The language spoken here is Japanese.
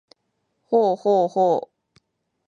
ほうほうほう